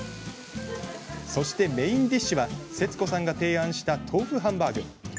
そして、メインディッシュは節子さんが提案した豆腐ハンバーグ。